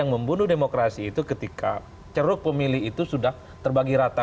membunuh demokrasi itu ketika ceruk pemilih itu sudah terbagi rata